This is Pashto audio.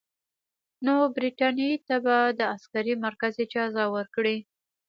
نو برټانیې ته به د عسکري مرکز اجازه ورکړي.